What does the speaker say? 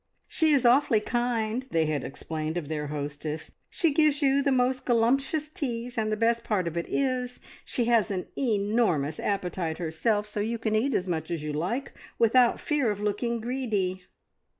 "She is awfully kind," they had explained of their hostess; "she gives you the most galumptious teas, and the best part of it is, she has an e normous appetite herself, so you can eat as much as you like, without fear of looking greedy!"